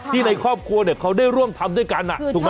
ในครอบครัวเขาได้ร่วมทำด้วยกันถูกไหม